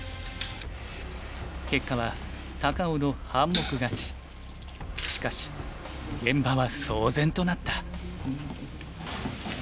結果はしかし現場は騒然となった。